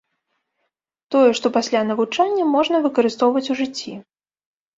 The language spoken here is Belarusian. Тое, што пасля навучання, можна выкарыстоўваць у жыцці.